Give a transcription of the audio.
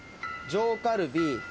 上カルビ。